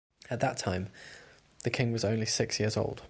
At that time, the king was only six years old.